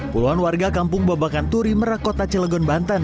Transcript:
puluhan warga kampung babakan turi merakota celegon bantan